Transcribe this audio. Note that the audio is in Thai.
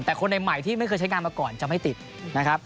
แต่คนใหม่ที่ไม่เคยใช้งานมาก่อนจะไม่ติดนะครับ